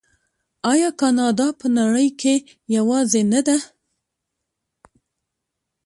آیا کاناډا په نړۍ کې یوازې نه ده؟